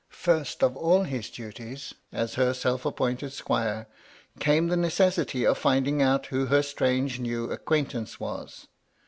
First of all his duties, as her self appointed squire, came the necessity of finding out who her strange new acquaintance was.